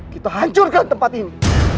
kita hancurkan tempat ini